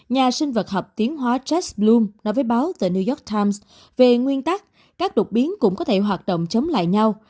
nhà sinh vật học tiếng hoa jess bloom nói với báo the new york times về nguyên tắc các đột biến cũng có thể hoạt động chống lại nhau